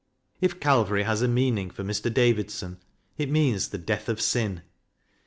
If Calvary has a meaning for Mr. Davidson, it means the death of sin.